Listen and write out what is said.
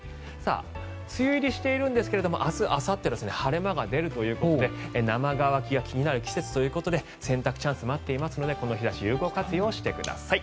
梅雨入りしているんですが明日あさって晴れ間が出るということで生乾きが気になる季節ということで洗濯チャンスが待っていますのでこの日差しを有効活用してください。